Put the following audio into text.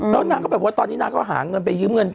แล้วนางก็แบบว่าตอนนี้นางก็หาเงินไปยืมเงิน